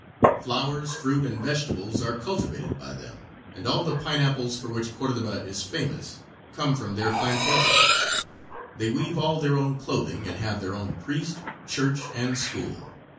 Flowers, fruit, and vegetables are cultivated by them, and all the pineapples, for which Cordoba is famous, come from their plantations; they weave all their own clothing, and have their own priest, church, and school.